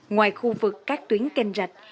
ngoài khu vực các tuyến kênh rạch